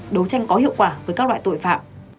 đấu tranh có hiệu quả với các loại tội phạm